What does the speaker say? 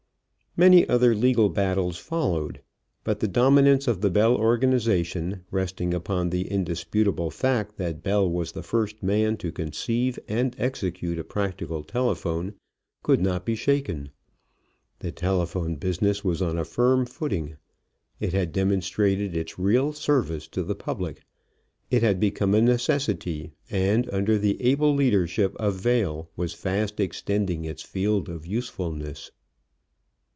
Many other legal battles followed, but the dominance of the Bell organization, resting upon the indisputable fact that Bell was the first man to conceive and execute a practical telephone, could not be shaken. The telephone business was on a firm footing: it had demonstrated its real service to the public; it had become a necessity; and, under the able leadership of Vail, was fast extending its field of usefulness.